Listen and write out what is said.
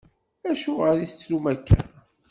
Acuɣer i tettrum akka?